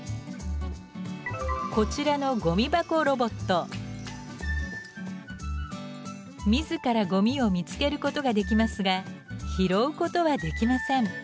こちらのみずからゴミを見つけることができますが拾うことはできません。